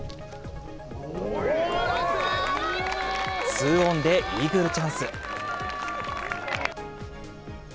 ツーオンでイーグルチャンス。